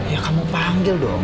ya kamu panggil dong